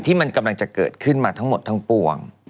พี่ไม่ผิดไม่ด่ามันในกอง